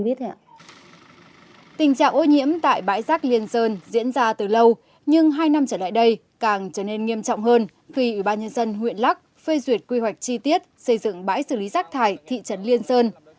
vì ủy ban nhân dân huyện lắc phê duyệt quy hoạch chi tiết xây dựng bãi xử lý rác thải thị trấn liên sơn